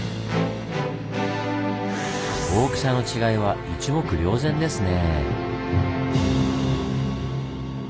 大きさの違いは一目瞭然ですね。